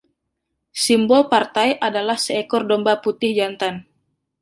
Simbol partai adalah seekor domba putih jantan.